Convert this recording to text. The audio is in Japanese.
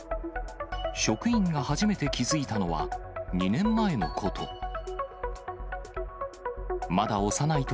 職員が初めて気付いたのは、２年前のこと。